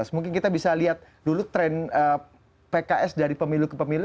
mungkin kita bisa lihat dulu tren pks dari pemilu ke pemilu